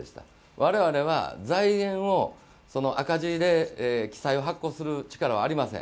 我々は財源を赤字で発行する力はありません。